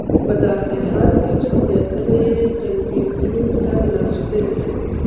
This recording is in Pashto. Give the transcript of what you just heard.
په داسې حال کې چې زیاتره یې ټلویزیون ته لاسرسی نه لري.